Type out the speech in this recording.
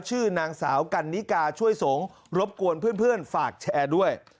ชื่อนางสาวกันนิกาช่วยสงฆ์รบกวนเพื่อนฝากแชร์ด้วย